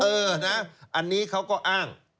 เออนะอันนี้เขาก็อ้าง